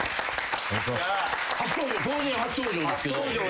当然初登場ですけど。